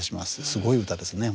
すごい歌ですね